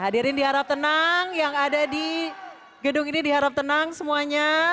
hadirin di harap tenang yang ada di gedung ini di harap tenang semuanya